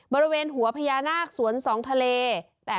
บริเวณหัวพญานาคสวนสองทะเล